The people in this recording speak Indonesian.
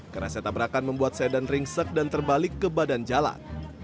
kerasnya tabrakan membuat sedan ringsek dan terbalik ke badan jalan